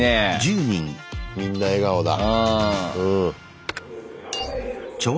みんな笑顔だ。